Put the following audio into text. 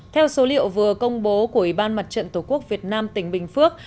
theo số liệu vừa công bố của ủy ban mặt trận tổ quốc việt nam tỉnh bình phước